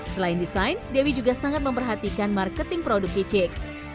selain desain dewi juga sangat memperhatikan marketing produk kicix